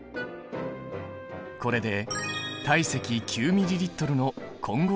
これで体積９ｍＬの混合気体になった。